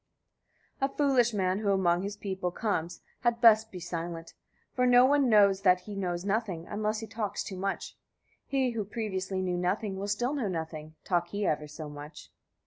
27. A foolish man, who among people comes, had best be silent; for no one knows that he knows nothing, unless he talks too much. He who previously knew nothing will still know nothing, talk he ever so much.